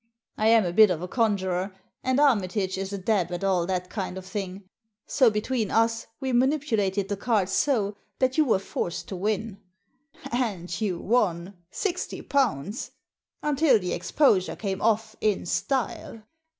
I am a bit of a conjurer, and Armitage is a dab at all that kind of thing ; so between us we manipulated the cards so that you were forced to win. And you won !— sixty pounds I — ^until the exposure came off in style.